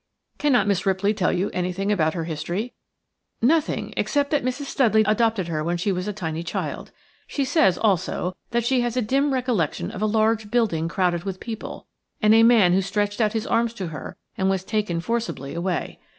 "Cannot Miss Ripley tell you anything about her history?" "Nothing, except that Mrs. Studley adopted her when she was a tiny child. She says, also, that she has a dim recollection of a large building crowded with people, and a man who stretched out his arms to her and was taken forcibly away.